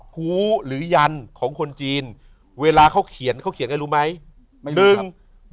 หูหรือยันของคนจีนเวลาเขาเขียนเขาเขียนไงรู้ไหมไม่รู้